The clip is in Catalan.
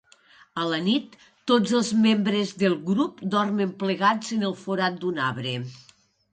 A la nit, tots els membres del grup dormen plegats en el forat d'un arbre.